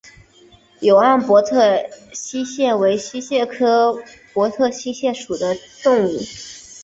永安博特溪蟹为溪蟹科博特溪蟹属的动物。